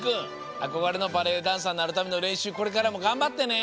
あこがれのバレエダンサーになるためのれんしゅうこれからもがんばってね！